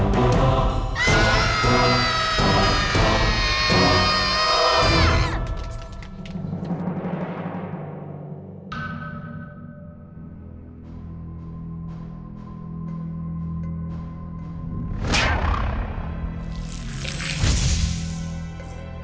tidak bisa berakhir